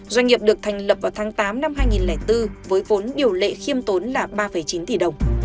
doanh nghiệp được thành lập vào tháng tám năm hai nghìn bốn với vốn điều lệ khiêm tốn là ba chín tỷ đồng